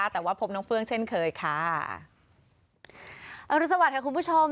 แต่ว่าพบน้องเฟื้องเช่นเคยค่ะอรุณสวัสดิค่ะคุณผู้ชม